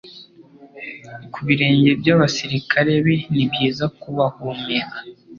ku birenge by'abasirikare be nibyiza kubahumeka